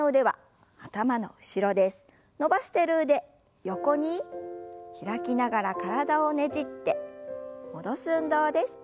伸ばしてる腕横に開きながら体をねじって戻す運動です。